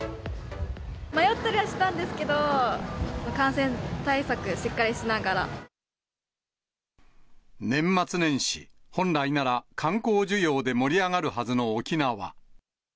迷ったりはしたんですけど、年末年始、本来なら観光需要で盛り上がるはずの沖縄。